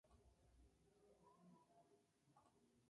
Se localizaba en la zona suroeste de la Llanura de Dozen.